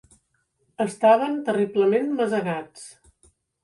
Estaven terriblement masegats.